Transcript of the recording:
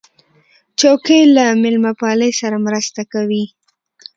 چوکۍ له میلمهپالۍ سره مرسته کوي.